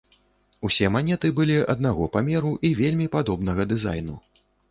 Усе манеты былі аднаго памеру і вельмі падобнага дызайну.